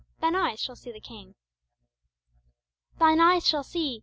Thine eyes shall see the King Thine eyes shall see!